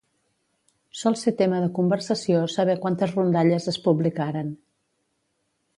Sol ser tema de conversació saber quantes rondalles es publicaren.